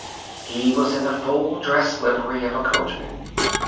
He was in the full dress livery of a coachman.